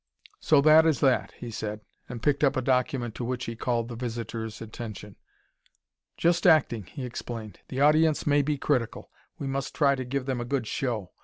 "So that is that," he said, and picked up a document to which he called the visitor's attention. "Just acting," he explained. "The audience may be critical; we must try to give them a good show!